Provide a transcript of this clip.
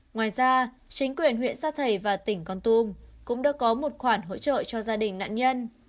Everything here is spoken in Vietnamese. ngoài ra chính quyền huyện sa thầy và tỉnh con tum cũng đã có một khoản hỗ trợ cho gia đình nạn nhân